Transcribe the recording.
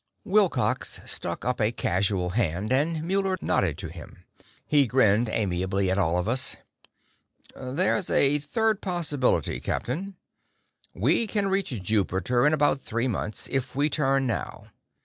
Wilcox stuck up a casual hand, and Muller nodded to him. He grinned amiably at all of us. "There's a third possibility, Captain. We can reach Jupiter in about three months, if we turn now.